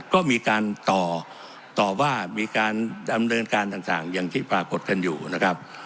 ก็มีการต่อต่อว่ามีการดำเนินการต่างอย่างที่ปรากฏกันอยู่นะครับ